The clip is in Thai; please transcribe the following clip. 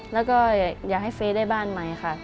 แล้วก็อยากให้เฟย์ได้บ้านใหม่ค่ะ